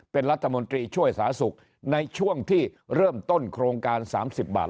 เป็นรัฐมนตรีช่วยสาธารณสุขในช่วงที่เริ่มต้นโครงการ๓๐บาท